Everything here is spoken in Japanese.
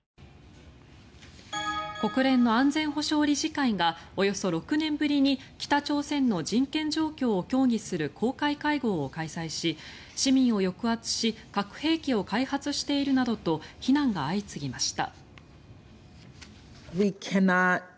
国連の安全保障理事会がおよそ６年ぶりに北朝鮮の人権状況を協議する公開会合を開催し市民を抑圧し核兵器を開発しているなどと非難が相次ぎました。